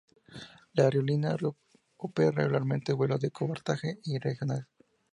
La aerolínea opera regularmente vuelos de cabotaje y regionales.